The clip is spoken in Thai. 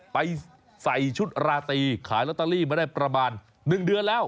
ไปใส่ชุดราตรีขายลอตเตอรี่มาได้ประมาณ๑เดือนแล้ว